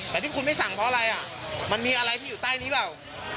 แต่ที่คุณไม่สั่งเพราะอะไรอ่ะมันมีอะไรที่อยู่ใต้นี้เปล่า